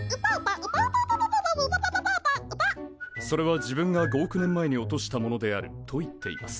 「それは自分が５億年前に落としたものである」と言っています。